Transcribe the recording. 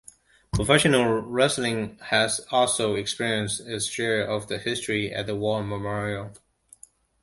Professional wrestling has also experienced its share of history at the War Memorial.